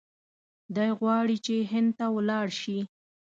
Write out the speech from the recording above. دی غواړي چې هند ته ولاړ شي.